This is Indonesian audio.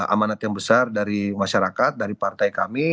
amanat yang besar dari masyarakat dari partai kami